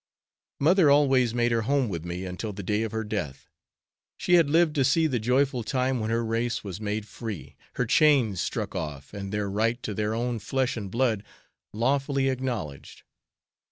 Mother always made her home with me until the day of her death; she had lived to see the joyful time when her race was made free, their chains struck off, and their right to their own flesh and blood lawfully acknowledged.